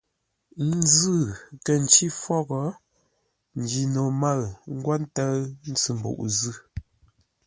Nzʉ̂ kə̂ ncí fôghʼ, Njino mə̂ʉ ńgwó ńtə́ʉ ntsʉ mbuʼ zʉ́.